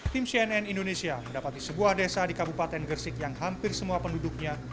tim cnn indonesia mendapati sebuah desa di kabupaten gresik yang hampir semua penduduknya